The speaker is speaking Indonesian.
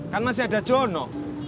kan masih ada jono